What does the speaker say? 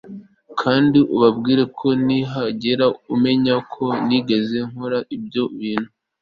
kandi ubabwire ko nihagira umenya ko nigeze gukora ibyo bintu